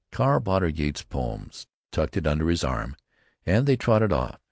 Carl bought for her Yeats's poems, tucked it under his arm, and they trotted off.